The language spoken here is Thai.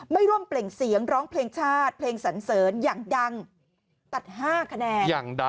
ไม่ร่วมเปล่งเสียงร้องเพลงชาติเพลงสันเสริญอย่างดังตัด๕คะแนน